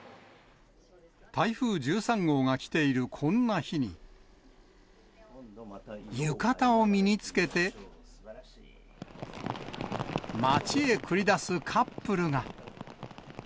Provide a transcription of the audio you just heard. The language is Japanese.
台風１３号が来ているこんな日に、浴衣を身につけて、街へ繰り出すカップルが。